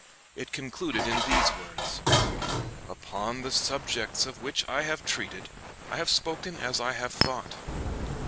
It concluded in these words: "Upon the subjects of which I have treated, I have spoken as I have thought.